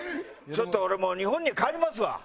ちょっと俺もう日本に帰りますわ。